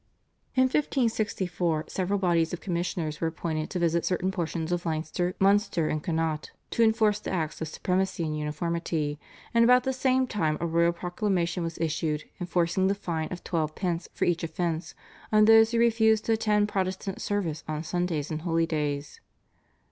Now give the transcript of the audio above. In 1564 several bodies of commissioners were appointed to visit certain portions of Leinster, Munster, and Connaught to enforce the Acts of Supremacy and Uniformity, and about the same time a royal proclamation was issued enforcing the fine of twelve pence for each offence on those who refused to attend Protestant service on Sundays and holidays.